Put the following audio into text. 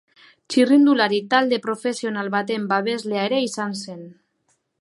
Txirrindulari talde profesional baten babeslea ere izan zen.